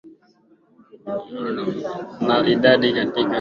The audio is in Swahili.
na idadi kubwa ya Wafalme Masultani au Machifu lakini pia kulikuwa na wasaidizi wa